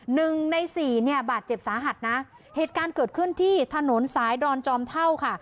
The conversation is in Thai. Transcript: หนึ่งในสี่เนี่ยบาดเจ็บสาหัสนะเหตุการณ์เกิดขึ้นที่ถนนสายดอนจอมเท่าค่ะ